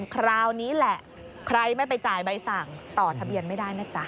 คราวนี้แหละใครไม่ไปจ่ายใบสั่งต่อทะเบียนไม่ได้นะจ๊ะ